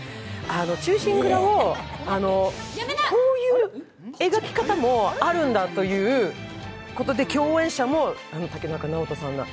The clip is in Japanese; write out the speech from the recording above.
「忠臣蔵」をこういう描き方もあるんだということで、共演者も竹中直人さんら